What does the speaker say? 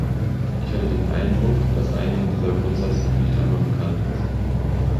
Ich hatte den Eindruck, dass einigen dieser Grundsatz noch nicht einmal bekannt ist.